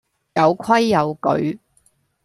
有規有矩